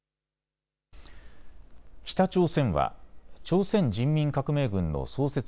北朝鮮は朝鮮人民革命軍の創設